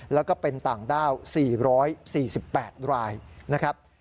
แล้วก็เป็นต่างด้าว๔๔๘รายนะครับ